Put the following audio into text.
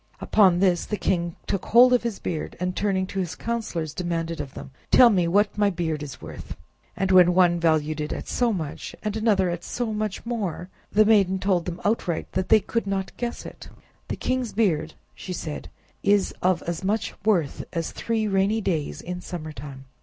Upon this the king took hold of his beard, and turning to his councilors, demanded of them: "Tell me what my beard is worth?" And when one valued it at so much, and another at so much more, the maiden told them outright that they could not guess it. "The king's beard," she said, "is of as much worth as three rainy days in summer time."